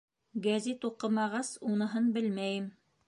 Гәзит уҡымағас, уныһын белмәйем.